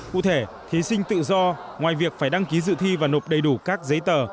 cụ thể thí sinh tự do ngoài việc phải đăng ký dự thi và nộp đầy đủ các giấy tờ